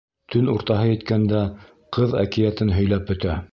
Төн уртаһы еткәндә ҡыҙ әкиәтен һөйләп бөтә.